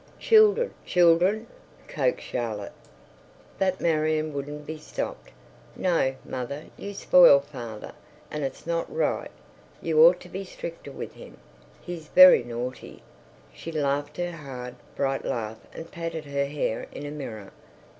"Children, children?" coaxed Charlotte. But Marion wouldn't be stopped. "No, mother, you spoil father, and it's not right. You ought to be stricter with him. He's very naughty." She laughed her hard, bright laugh and patted her hair in a mirror.